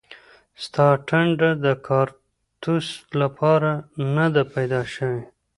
ستا ټنډه د کاړتوس لپاره نه ده پیدا شوې